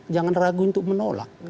jangan ragu untuk menolak